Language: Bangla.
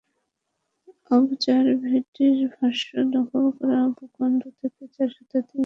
অবজারভেটরির ভাষ্য, দখল করা ভূখণ্ড থেকে চার শতাধিক বেসামরিক ব্যক্তিকে অপহরণ করেছে আইএস।